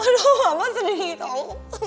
aduh mama sedih tau